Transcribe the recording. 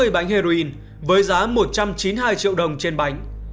hai mươi bánh heroin với giá một trăm chín mươi hai triệu đồng trên bánh